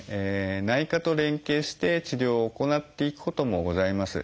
内科と連携して治療を行っていくこともございます。